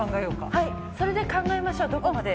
はいそれで考えましょう。